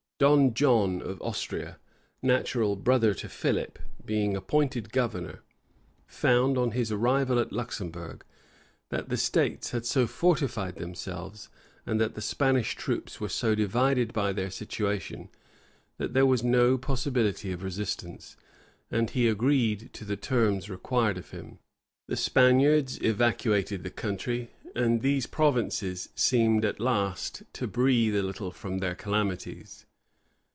Don John of Austria, natural brother to Philip, being appointed governor, found, on his arrival at Luxembourg, that the states had so fortified themselves, and that the Spanish troops were so divided by their situation, that there was no possibility of resistance; and he agreed to the terms required of him. The Spaniards evacuated the country; and these provinces seemed at last to breathe a little from their calamities.